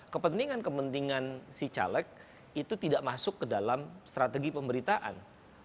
kepentingan kepentingan si caleg itu tidak masuk ke dalam strategi pemberitaan